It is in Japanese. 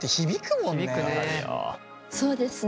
そうですね。